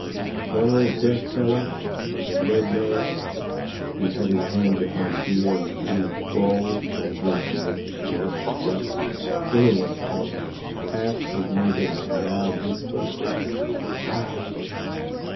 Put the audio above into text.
One old deaf feller, with a red nose, who had his hand behind his ear and was leaning forward so as not to miss a breath of what any one said, ast his neighbour in a loud whisper, "How?"